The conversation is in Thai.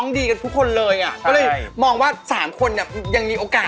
คิดว่าตัว๒ทุกคนพยายามพรีเซ็นต์เขา